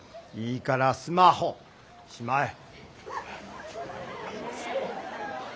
いいからスマホしまえ。